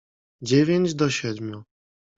"Dziewięć do siedmiu."